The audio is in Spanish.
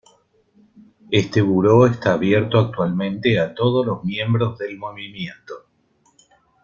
Este Buró está abierto actualmente a todos los miembros del Movimiento.